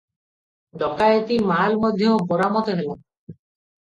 ଡକାଏତି ମାଲ ମଧ୍ୟ ବରାମଦ ହେଲା ।